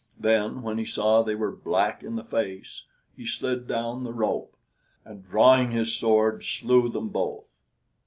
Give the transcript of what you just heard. Then, when he saw they were black in the face, he slid down the rope, and drawing his sword, slew them both.